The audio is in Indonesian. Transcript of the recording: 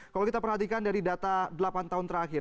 kalau kita perhatikan dari data delapan tahun terakhir